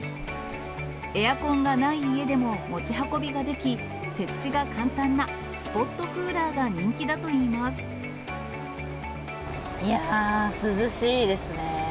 エアコンがない家でも持ち運びができ、設置が簡単なスポットいやー、涼しいですね。